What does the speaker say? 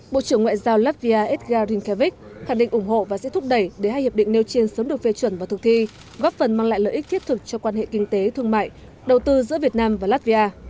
bộ trưởng ngoại giao latvia edgar rinkevich khẳng định ủng hộ và sẽ thúc đẩy để hai hiệp định nêu trên sớm được phê chuẩn và thực thi góp phần mang lại lợi ích thiết thực cho quan hệ kinh tế thương mại đầu tư giữa việt nam và latvia